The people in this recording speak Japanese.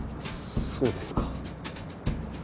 そうですか。